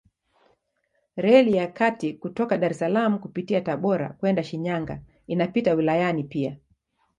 Reli ya kati kutoka Dar es Salaam kupitia Tabora kwenda Shinyanga inapita wilayani pia.